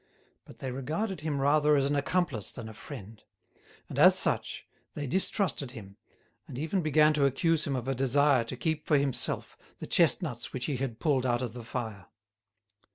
But they regarded him rather as an accomplice than a friend; and, as such, they distrusted him, and even began to accuse him of a desire to keep for himself the chestnuts which he had pulled out of the fire.